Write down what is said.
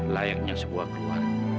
layaknya sebuah keluarga